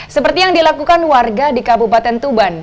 seperti yang dilakukan warga di kabupaten tuban